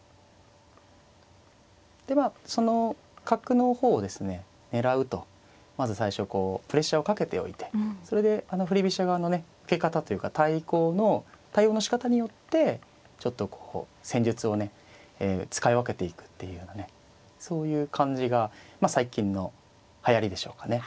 でまあその角の方をですね狙うとまず最初こうプレッシャーをかけておいてそれで振り飛車側のね受け方というか対抗の対応のしかたによってちょっとこう戦術をね使い分けていくっていうようなねそういう感じがまあ最近のはやりでしょうかね。